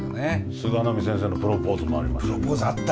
菅波先生のプロポーズもありました。